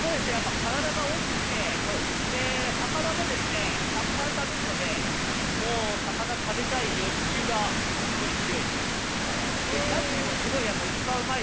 体が大きくて、魚もたくさん食べるので、魚を食べたい欲求がすごく強い。